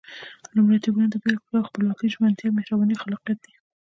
لومړيتوبونه د بېلګې په توګه خپلواکي، ژمنتيا، مهرباني، خلاقيت دي.